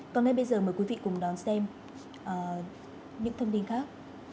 còn ngay bây giờ mời quý vị cùng đón xem những thông tin khác